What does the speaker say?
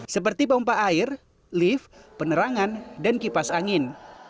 seperti pompa air lift penerangan dan kipas angin